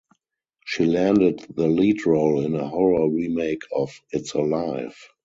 She landed the lead role in a horror remake of "It's Alive".